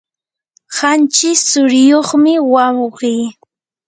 qanchis tsuriyuqmi wawqi.